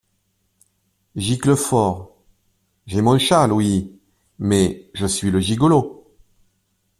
Giclefort. — J’ai mon châle, oui ! mais je suis le gigolo !…